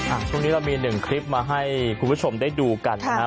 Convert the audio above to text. ช่วงนี้เรามีหนึ่งคลิปมาให้คุณผู้ชมได้ดูกันนะฮะ